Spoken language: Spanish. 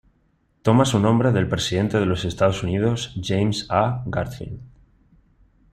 Toma su nombre del presidente de los Estados Unidos James A. Garfield.